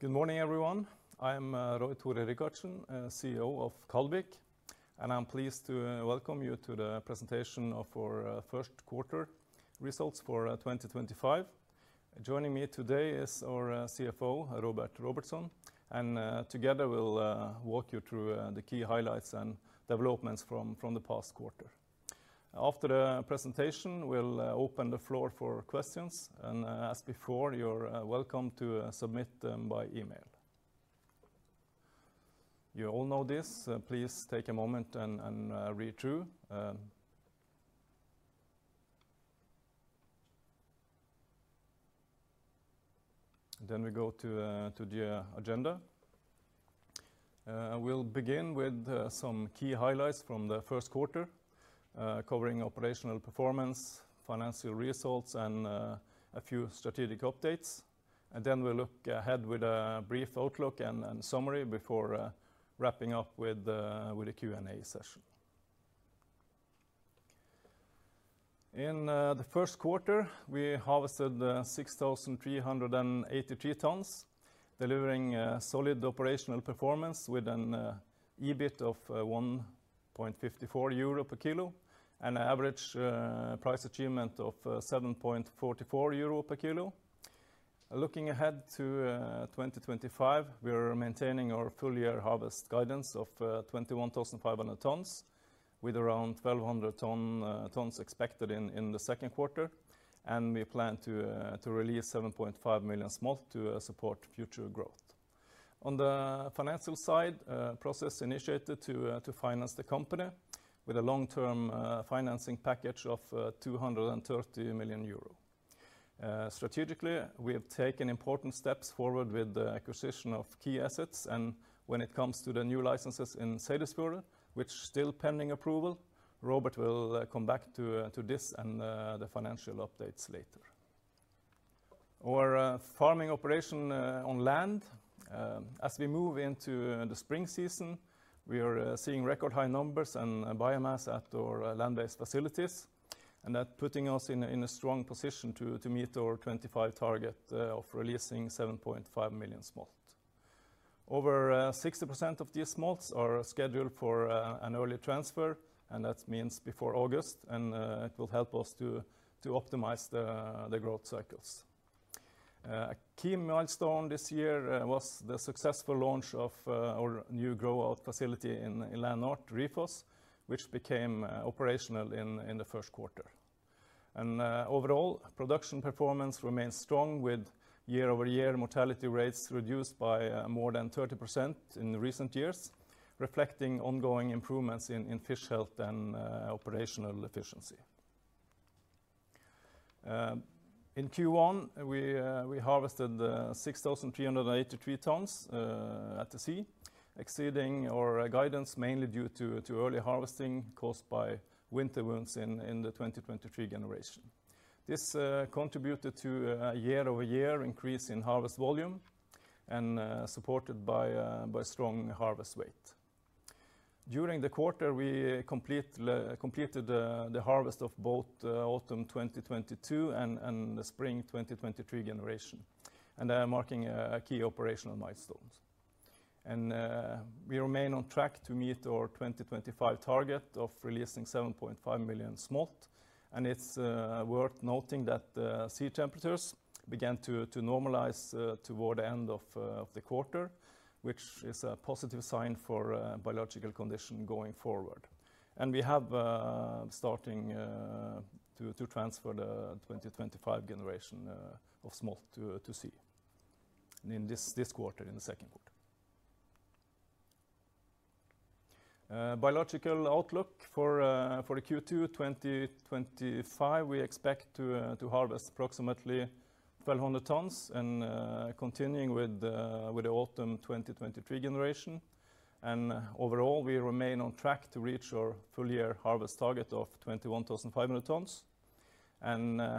Good morning, everyone. I'm Roy-Tore Rikardsen, CEO of Kaldvík, and I'm pleased to welcome you to the presentation of our first-quarter results for 2025. Joining me today is our CFO, Róbert Róbertsson, and together we'll walk you through the key highlights and developments from the past quarter. After the presentation, we'll open the floor for questions, and as before, you're welcome to submit them by email. You all know this. Please take a moment and read through. We go to the agenda. We'll begin with some key highlights from the first quarter, covering operational performance, financial results, and a few strategic updates. We will look ahead with a brief outlook and summary before wrapping up with a Q&A session. In the first-quarter, we harvested 6,383 tons, delivering solid operational performance with an EBIT of 1.54 euro per kg and an average price achievement of 7.44 euro per kg. Looking ahead to 2025, we're maintaining our full-year harvest guidance of 21,500 tons, with around 1,200 tons expected in the second quarter, and we plan to release 7.5 million smolt to support future growth. On the financial side, a process initiated to finance the company with a long-term financing package of 230 million euros. Strategically, we have taken important steps forward with the acquisition of key assets, and when it comes to the new licenses in Seyðisfjörður, which are still pending approval, Róbert will come back to this and the financial updates later. Our farming operation on land, as we move into the spring season, we are seeing record-high numbers and biomass at our land-based facilities, and that is putting us in a strong position to meet our 2025 target of releasing 7.5 million smolt. Over 60% of these smolt are scheduled for an early transfer, and that means before August, and it will help us to optimize the growth cycles. A key milestone this year was the successful launch of our new grow-out facility in Lennart, Rifos, which became operational in the first quarter. Overall, production performance remains strong, with year-over-year mortality rates reduced by more than 30% in recent years, reflecting ongoing improvements in fish health and operational efficiency. In Q1, we harvested 6,383 tons at the sea, exceeding our guidance mainly due to early harvesting caused by winter wounds in the 2023 generation. This contributed to a year-over-year increase in harvest volume and was supported by strong harvest weight. During the quarter, we completed the harvest of both the autumn 2022 and the spring 2023 generation, and they are marking key operational milestones. We remain on track to meet our 2025 target of releasing 7.5 million smolt, and it is worth noting that sea temperatures began to normalize toward the end of the quarter, which is a positive sign for biological condition going forward. We have started to transfer the 2025 generation of smolt to sea in this quarter, in the second quarter. For the biological outlook for Q2 2025, we expect to harvest approximately 1,200 tons and continue with the autumn 2023 generation. Overall, we remain on track to reach our full-year harvest target of 21,500 tons.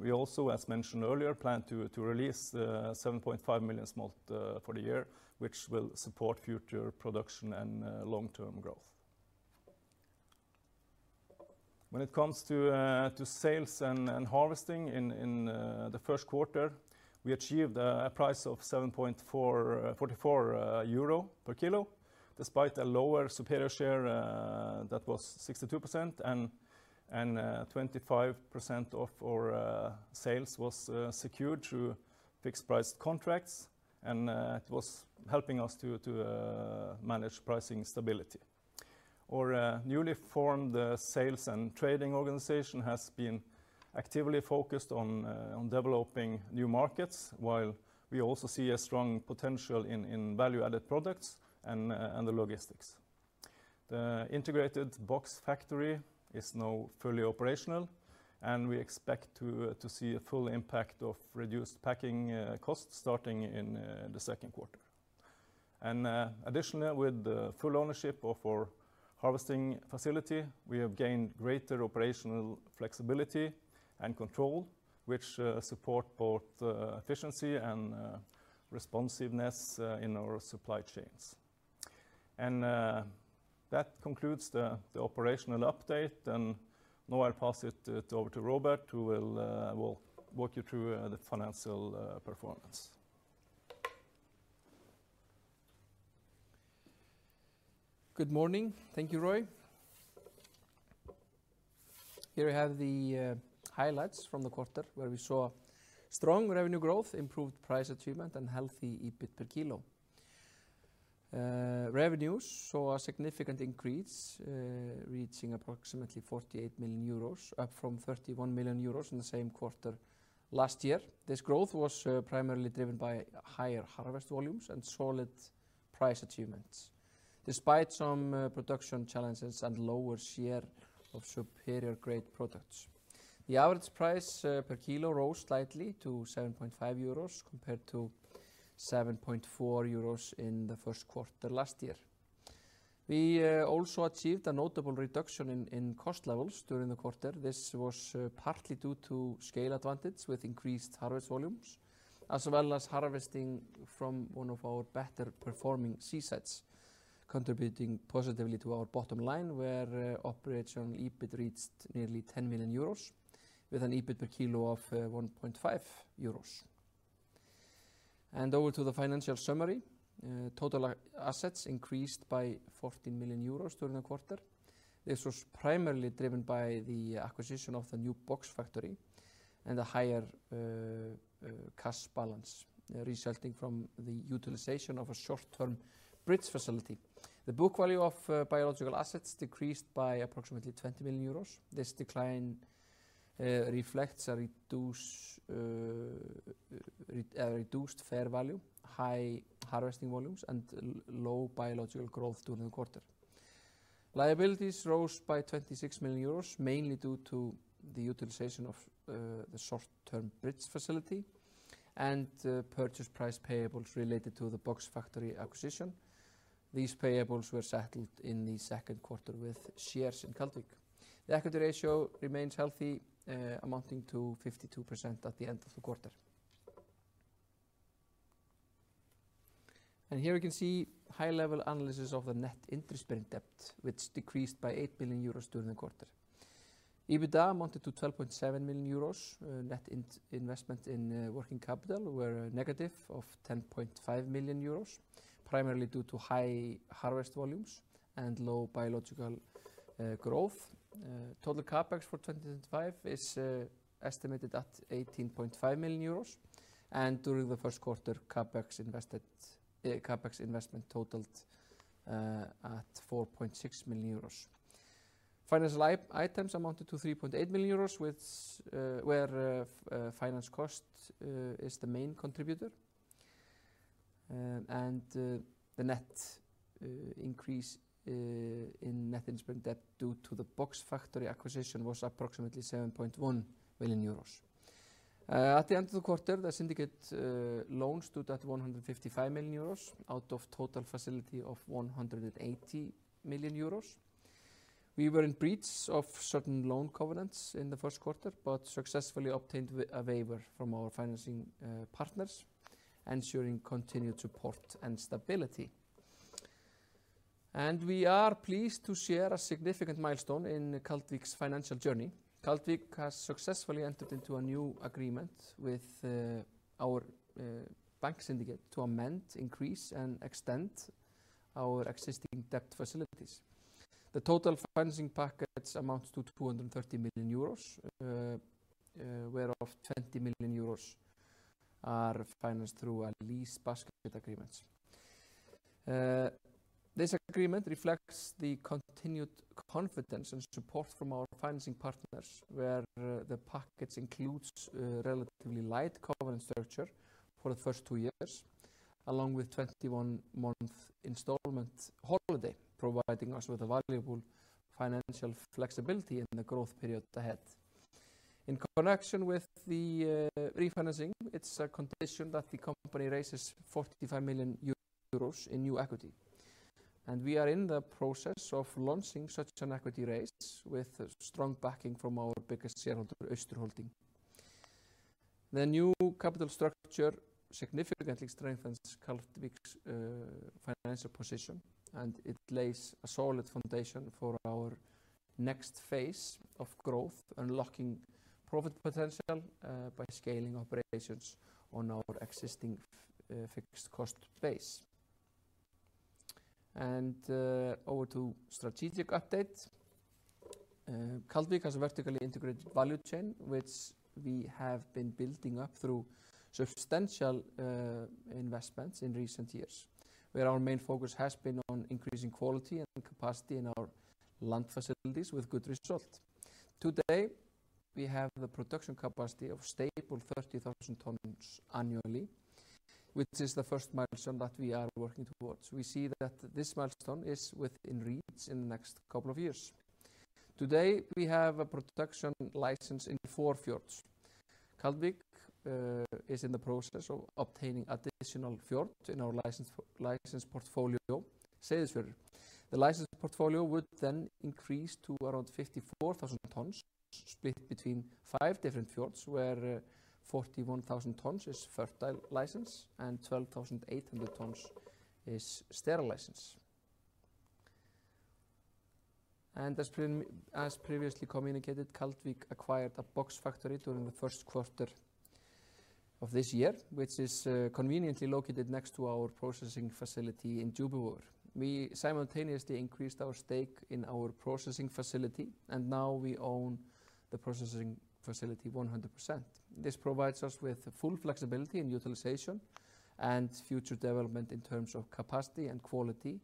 We also, as mentioned earlier, plan to release 7.5 million smolt for the year, which will support future production and long-term growth. When it comes to sales and harvesting in the first quarter, we achieved a price of 7.44 euro per kg, despite a lower superior share that was 62%, and 25% of our sales was secured through fixed-price contracts, and it was helping us to manage pricing stability. Our newly formed sales and trading organization has been actively focused on developing new markets, while we also see a strong potential in value-added products and the logistics. The integrated box factory is now fully operational, and we expect to see a full impact of reduced packing costs starting in the second quarter. Additionally, with the full ownership of our harvesting facility, we have gained greater operational flexibility and control, which support both efficiency and responsiveness in our supply chains. That concludes the operational update, and now I'll pass it over to Róbert, who will walk you through the financial performance. Good morning. Thank you, Roy. Here we have the highlights from the quarter, where we saw strong revenue growth, improved price achievement, and healthy EBIT per kg. Revenues saw a significant increase, reaching approximately 48 million euros, up from 31 million euros in the same quarter last year. This growth was primarily driven by higher harvest volumes and solid price achievements, despite some production challenges and lower share of superior-grade products. The average price per kg rose slightly to 7.5 euros compared to 7.4 euros in the first quarter last year. We also achieved a notable reduction in cost levels during the quarter. This was partly due to scale advantage with increased harvest volumes, as well as harvesting from one of our better-performing sea sites, contributing positively to our bottom line, where operational EBIT reached nearly 10 million euros, with an EBIT per kg of 1.5 euros. Over to the financial summary, total assets increased by 14 million euros during the quarter. This was primarily driven by the acquisition of the new box factory and a higher cost balance resulting from the utilization of a short-term bridge facility. The book value of biological assets decreased by approximately 20 million euros. This decline reflects a reduced fair value, high harvesting volumes, and low biological growth during the quarter. Liabilities rose by 26 million euros, mainly due to the utilization of the short-term bridge facility and purchase price payables related to the box factory acquisition. These payables were settled in the second quarter with shares in Kaldvík. The equity ratio remains healthy, amounting to 52% at the end of the quarter. Here we can see high-level analysis of the net interest-bearing debt, which decreased by 8 million euros during the quarter. EBITDA amounted to 12.7 million euros. Net investment in working capital were -10.5 million euros, primarily due to high harvest volumes and low biological growth. Total CapEx for 2025 is estimated at 18.5 million euros, and during the first quarter, CapEx investment totaled at 4.6 million euros. Financial items amounted to 3.8 million euros, where finance cost is the main contributor, and the net increase in net interest-bearing debt due to the box factory acquisition was approximately 7.1 million euros. At the end of the quarter, the syndicate loans totaled 155 million euros out of a total facility of 180 million euros. We were in breach of certain loan covenants in the first quarter but successfully obtained a waiver from our financing partners, ensuring continued support and stability. We are pleased to share a significant milestone in Kaldvík's financial journey. Kaldvík has successfully entered into a new agreement with our bank syndicate to amend, increase, and extend our existing debt facilities. The total financing packages amount to 230 million euros, whereof 20 million euros are financed through lease basket agreements. This agreement reflects the continued confidence and support from our financing partners, where the packages include a relatively light covenant structure for the first two years, along with a 21-month installment holiday, providing us with valuable financial flexibility in the growth period ahead. In connection with the refinancing, it's a condition that the company raises 45 million euros in new equity, and we are in the process of launching such an equity raise with strong backing from our biggest shareholder, Øster Holding. The new capital structure significantly strengthens Kaldvík's financial position, and it lays a solid foundation for our next phase of growth, unlocking profit potential by scaling operations on our existing fixed-cost base. Over to strategic update. Kaldvík has a vertically integrated value chain, which we have been building up through substantial investments in recent years, where our main focus has been on increasing quality and capacity in our land facilities with good result. Today, we have a production capacity of stable 30,000 tons annually, which is the first milestone that we are working towards. We see that this milestone is within reach in the next couple of years. Today, we have a production license in four fjords. Kaldvík is in the process of obtaining additional fjords in our license portfolio, Seyðisfjörður. The license portfolio would then increase to around 54,000 tons, split between five different fjords, where 41,000 tons is fertile license and 12,800 tons is sterile license. As previously communicated, Kaldvík acquired a box factory during the first quarter of this year, which is conveniently located next to our processing facility in Djúpivogur. We simultaneously increased our stake in our processing facility, and now we own the processing facility 100%. This provides us with full flexibility in utilization and future development in terms of capacity and quality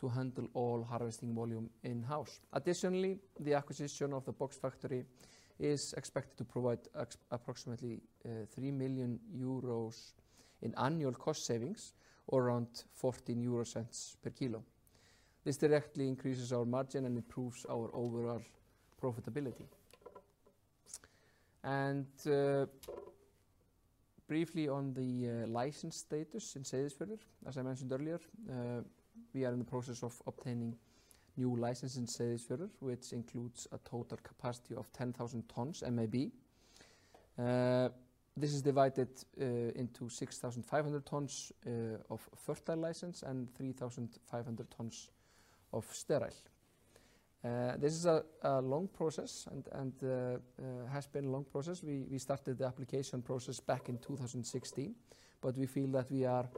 to handle all harvesting volume in-house. Additionally, the acquisition of the box factory is expected to provide approximately 3 million euros in annual cost savings, or around 0.14 per kg. This directly increases our margin and improves our overall profitability. Briefly on the license status in Seyðisfjörður, as I mentioned earlier, we are in the process of obtaining new license in Seyðisfjörður, which includes a total capacity of 10,000 tons MAB. This is divided into 6,500 tons of fertile license and 3,500 tons of sterile. This is a long process and has been a long process. We started the application process back in 2016, but we feel that we are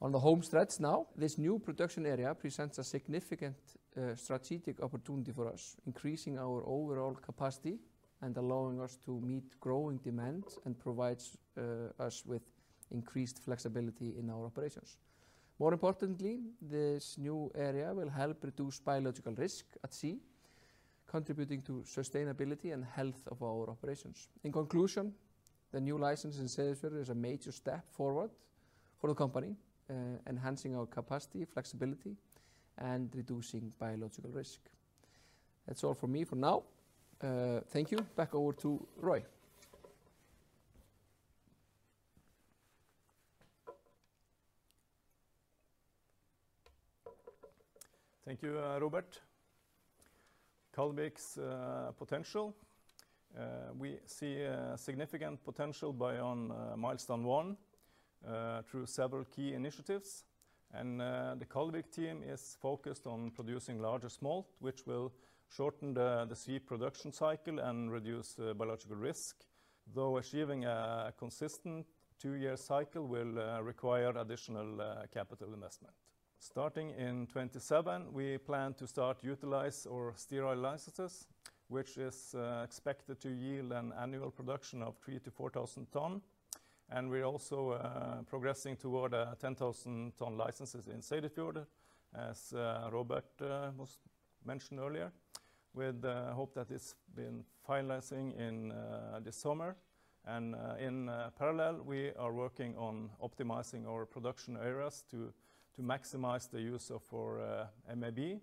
on the home stretch now. This new production area presents a significant strategic opportunity for us, increasing our overall capacity and allowing us to meet growing demands and provides us with increased flexibility in our operations. More importantly, this new area will help reduce biological risk at sea, contributing to sustainability and health of our operations. In conclusion, the new license in Seyðisfjörður is a major step forward for the company, enhancing our capacity, flexibility, and reducing biological risk. That's all for me for now. Thank you. Back over to Roy. Thank you, Róbert. Kaldvík's potential. We see significant potential beyond milestone one through several key initiatives, and the Kaldvík team is focused on producing larger smolt, which will shorten the seed production cycle and reduce biological risk, though achieving a consistent two-year cycle will require additional capital investment. Starting in 2027, we plan to start utilizing our sterile licenses, which is expected to yield an annual production of 3,000 tons-4,000 tons. We are also progressing toward 10,000-ton licenses in Seyðisfjörður, as Róbert mentioned earlier, with the hope that this has been finalized in the summer. In parallel, we are working on optimizing our production areas to maximize the use of our MAB.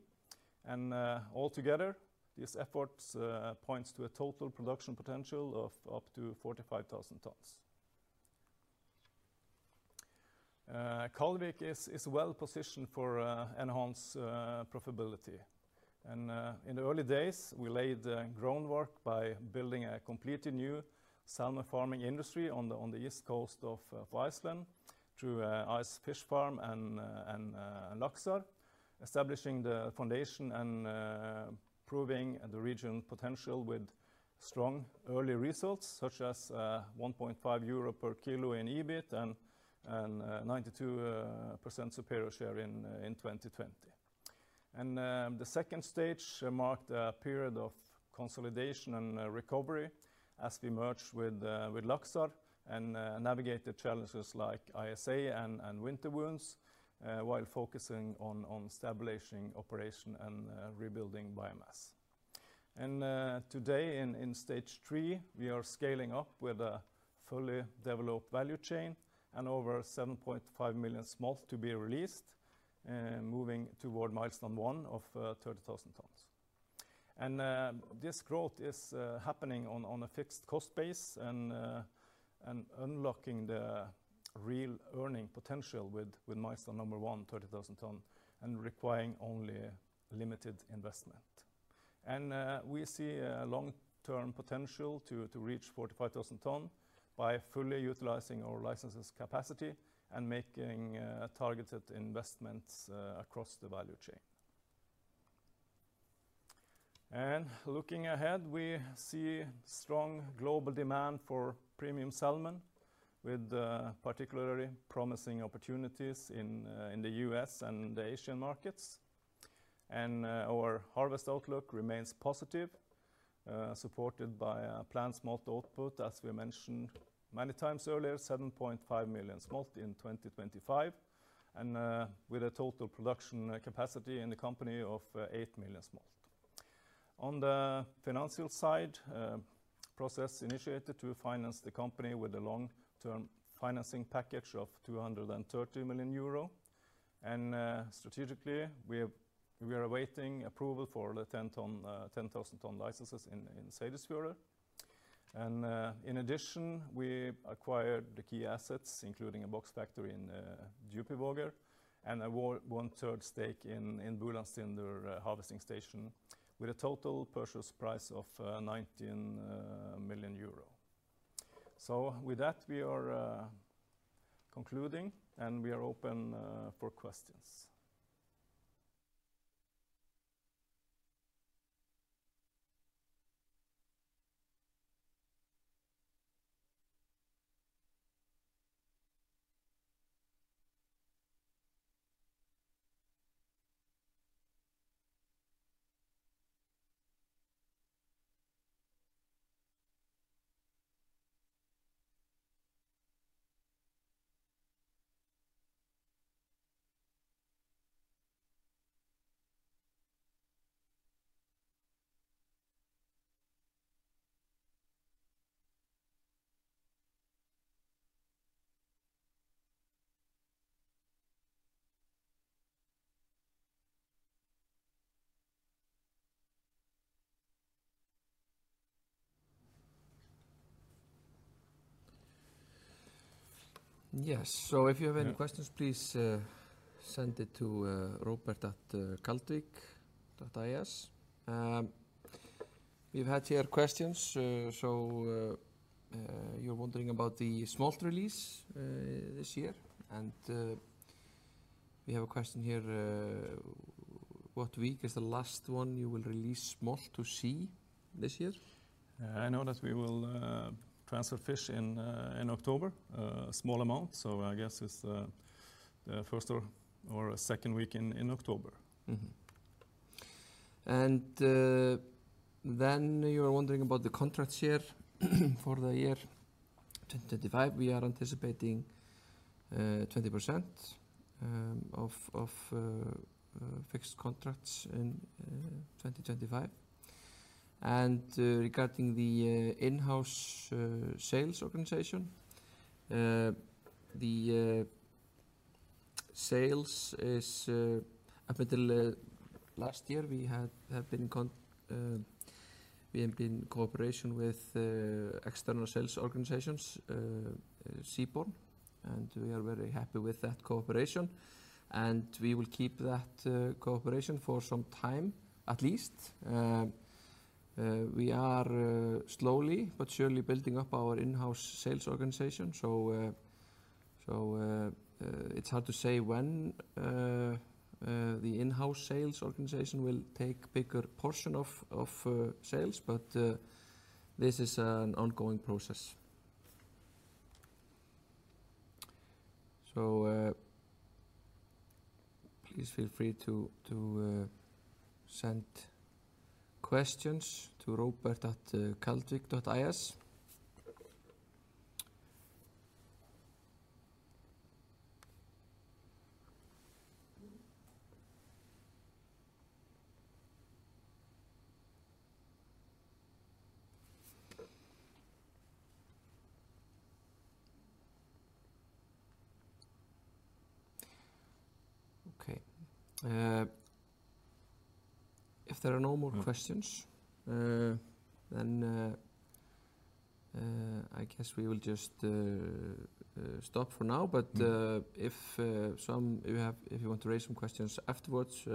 Altogether, this effort points to a total production potential of up to 45,000 tons. Kaldvík is well positioned for enhanced profitability. In the early days, we laid the groundwork by building a completely new salmon farming industry on the east coast of Iceland through Ice Fish Farm and Laxar, establishing the foundation and proving the regional potential with strong early results, such as 1.5 euro per kg in EBIT and 92% superior share in 2020. The second stage marked a period of consolidation and recovery as we merged with Laxar and navigated challenges like ISA and winter wounds while focusing on establishing operation and rebuilding biomass. Today, in stage three, we are scaling up with a fully developed value chain and over 7.5 million smolt to be released, moving toward milestone one of 30,000 tons. This growth is happening on a fixed cost base and unlocking the real earning potential with milestone number one, 30,000 tons, and requiring only limited investment. We see a long-term potential to reach 45,000 tons by fully utilizing our license capacity and making targeted investments across the value chain. Looking ahead, we see strong global demand for premium salmon, with particularly promising opportunities in the U.S. and the Asian markets. Our harvest outlook remains positive, supported by planned smolt output, as we mentioned many times earlier, 7.5 million smolt in 2025, and with a total production capacity in the company of 8 million smolt. On the financial side, a process was initiated to finance the company with a long-term financing package of 230 million euro. Strategically, we are awaiting approval for the 10,000-ton licenses in Seyðisfjörður. In addition, we acquired key assets, including a box factory in Djúpivogur and a one-third stake in Búlandsstindur harvesting station, with a total purchase price of 19 million euro. With that, we are concluding, and we are open for questions. Yes. If you have any questions, please send it to robert@kaldvik.is. We've had questions here. You're wondering about the smolt release this year. We have a question here. What week is the last one you will release smolt to sea this year? I know that we will transfer fish in October, a small amount. I guess it's the first or second week in October. You are wondering about the contract share for the year 2025. We are anticipating 20% of fixed contracts in 2025. Regarding the in-house sales organization, the sales up until last year, we have been in cooperation with external sales organizations, Seabourn, and we are very happy with that cooperation. We will keep that cooperation for some time, at least. We are slowly but surely building up our in-house sales organization. It is hard to say when the in-house sales organization will take a bigger portion of sales, but this is an ongoing process. Please feel free to send questions to robert@kaldvik.is. If there are no more questions, I guess we will just stop for now. If you want to raise some questions afterwards,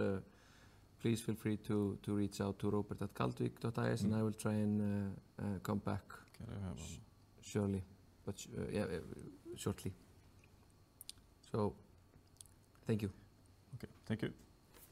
please feel free to reach out to robert@kaldvik.is, and I will try and come back. Can I have one? Surely. Yeah, shortly. Thank you. Okay. Thank you.